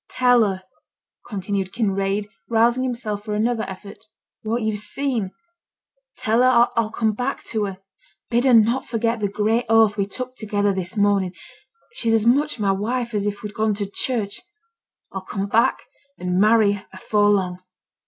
'Tell her,' continued Kinraid, rousing himself for another effort, 'what yo've seen. Tell her I'll come back to her. Bid her not forget the great oath we took together this morning; she's as much my wife as if we'd gone to church; I'll come back and marry her afore long.'